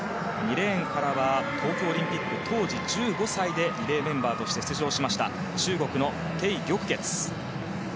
２レーンからは東京オリンピック、当時１５歳でリレーメンバーとして出場しました中国のテイ・ギョクケツ。